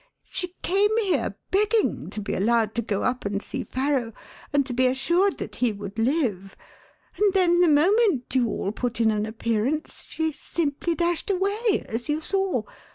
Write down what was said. "She came here begging to be allowed to go up and see Farrow and to be assured that he would live, and then the moment you all put in an appearance she simply dashed away, as you saw.